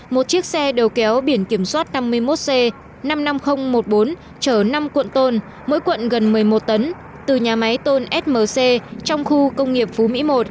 một chiếc xe đầu kéo biển kiểm soát năm mươi một c năm mươi năm nghìn một mươi bốn chở năm cuộn tôn mỗi cuộn gần một mươi một tấn từ nhà máy tôn smc trong khu công nghiệp phú mỹ một